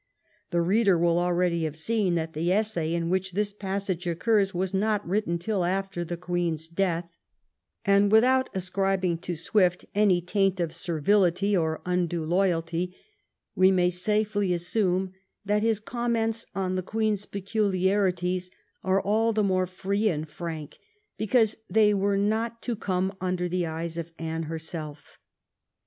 The reader will already have seen that the essay in which this passage occurs was not written till after the Queen's death, and without ascribing to Swift any taint of servility or undue loyalty, we may safely assume that his comments on the Queen's peculiarities are all the more free and frank because they were not to come under the eyes of Anne herself.